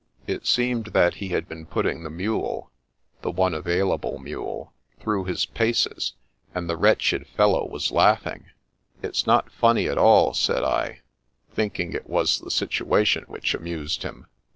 It seemed that he had been putting the mule (the one available mule) through his paces, and the wretched fellow was laughing. " It's not funny, at all," said I, thinking it was the situation which amused him.